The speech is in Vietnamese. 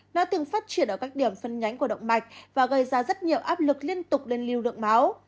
nó từng phát triển ở các điểm phân nhánh của động mạch và gây ra rất nhiều áp lực liên tục lên lưu lượng máu